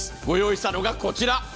ご用意したのがこちら。